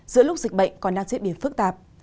giữa lúc dịch bệnh còn đang diễn biến phức tạp